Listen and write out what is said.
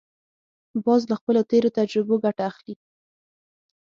باز له خپلو تېرو تجربو ګټه اخلي